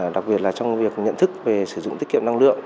đặc biệt là trong việc nhận thức về sử dụng tiết kiệm năng lượng